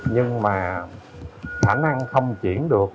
nhưng mà khả năng không chuyển được